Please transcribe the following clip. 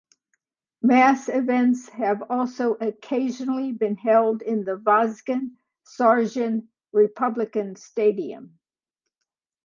Mass events have also occasionally been held in Vazgen Sargsyan Republican Stadium.